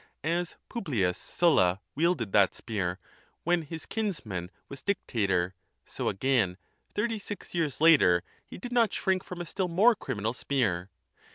As Pubhus Sulla wielded that spear, when his kinsman was dictator, so again thirty six years later he did not shrink from a still more criminal spear.